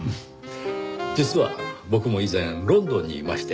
実は僕も以前ロンドンにいまして。